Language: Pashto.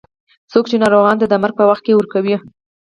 څوک یې ناروغانو ته د مرګ په وخت کې ورکوي.